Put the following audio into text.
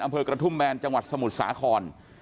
อำเภอกระทุ่มแบนจังหวัดสมุทรสาคร